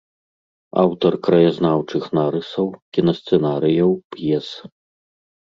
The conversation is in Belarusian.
Аўтар краязнаўчых нарысаў, кінасцэнарыяў, п'ес.